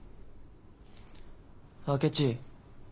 明智。